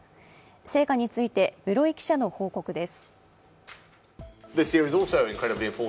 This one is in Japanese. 成果について室井記者の報告です。